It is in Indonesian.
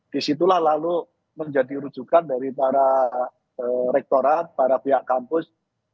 disitulah lalu menjadi rujukan dari para rektorat para pihak kampus